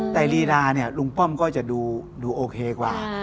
แต่ลีลาเนี่ยลุงป้อมก็จะดูโอเคกว่า